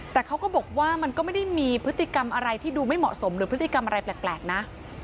แต่เขาก็บอกว่ามันก็ไม่ได้มีพฤติกรรมอะไรที่ดูไม่เหมาะสมหรือพฤติกรรมอะไรแปลกนะ